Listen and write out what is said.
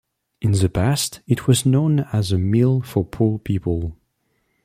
In the past it was known as a meal for poor people.